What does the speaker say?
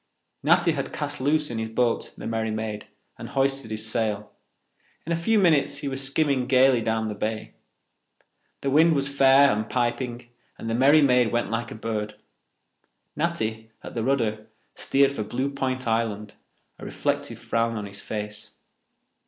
Natty had cast loose in his boat, the Merry Maid, and hoisted his sail. In a few minutes he was skimming gaily down the bay. The wind was fair and piping and the Merry Maid went like a bird. Natty, at the rudder, steered for Blue Point Island, a reflective frown on his face.